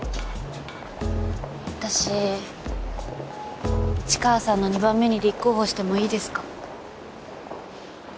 私市川さんの２番目に立候補してもいいですか？